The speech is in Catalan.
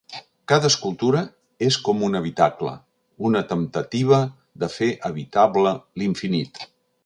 Cada escultura és com un habitacle, una temptativa de fer habitable l'infinit.